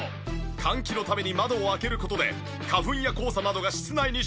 換気のために窓を開ける事で花粉や黄砂などが室内に侵入。